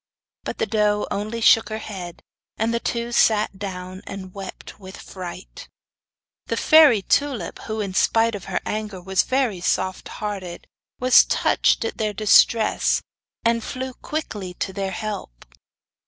But the doe only shook her head; and the two sat down and wept with fright. The fairy Tulip, who, in spite of her anger, was very soft hearted, was touched at their distress, and flew quickly to their help.